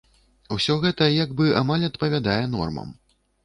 Усё гэта як бы амаль адпавядае нормам.